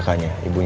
masih di sini